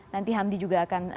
nanti hamdi juga akan